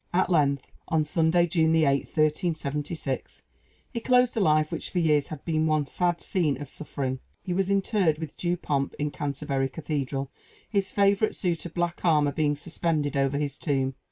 At length, on Sunday, June 8, 1376, he closed a life which for years had been one sad scene of suffering. He was interred with due pomp in Canterbury Cathedral, his favorite suit of black armor being suspended over his tomb.